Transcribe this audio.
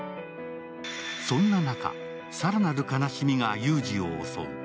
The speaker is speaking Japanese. そんな中、更なる悲しみが祐治を襲う。